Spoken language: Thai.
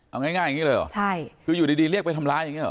เอาง่ายอย่างนี้เลยเหรอใช่คืออยู่ดีเรียกไปทำร้ายอย่างนี้หรอ